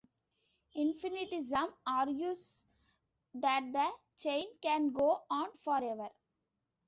Infinitism argues that the chain can go on forever.